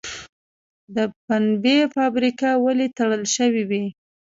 د پنبې فابریکې ولې تړل شوې وې؟